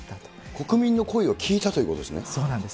国民の声を聞いたということそうなんです。